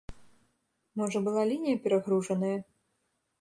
Можа была лінія перагружаная?